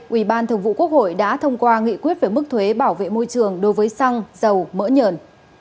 ubthqh đã thông qua nghị quyết về mức thuế bảo vệ môi trường đối với xăng dầu mỡ nhờn